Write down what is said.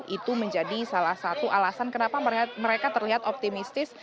itu menjadi salah satu alasan kenapa mereka terlihat optimistis